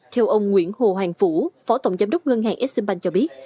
theo ông nguyễn hồ hoàng phủ phó tổng giám đốc ngân hàng exxonbank cho biết